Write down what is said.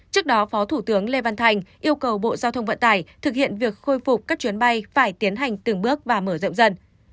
trước đó phó thủ tướng lê văn thành yêu cầu bộ giao thông vận tải thực hiện việc khôi phục các chuyến bay phải tiến hành từng bước và mở rộng dần